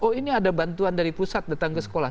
oh ini ada bantuan dari pusat datang ke sekolah